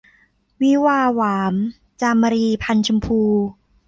วิวาห์หวาม - จามรี พรรณชมพู